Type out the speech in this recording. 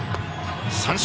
三振！